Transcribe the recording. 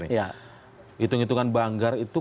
hitung hitungan banggar itu